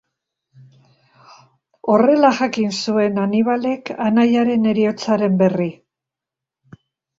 Horrela jakin zuen Hanibalek anaiaren heriotzaren berri.